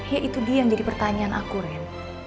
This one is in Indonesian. ya itu dia yang jadi pertanyaan aku ren